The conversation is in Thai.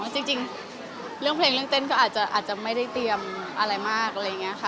จริงเรื่องเพลงเรื่องเต้นเขาอาจจะไม่ได้เตรียมอะไรมาก